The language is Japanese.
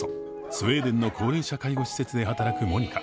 スウェーデンの高齢者介護施設で働くモニカ。